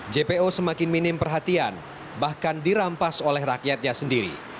jpo semakin minim perhatian bahkan dirampas oleh rakyatnya sendiri